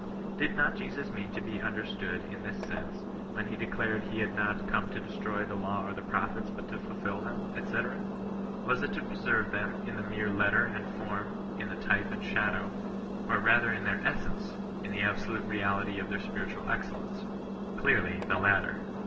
Did not Jesus mean to be understood in this sense, when he declared he had not '^ come to de stroy the law or the prophets," but " to fulfil them," &c. ? Was it to preserve them in the mere letter and form — in the type and shadoto—OT rather in their essence — in the absolute reality of their spiritual excellence ? Clearly, the latter.